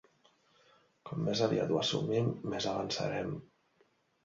Com més aviat ho assumim més avançarem.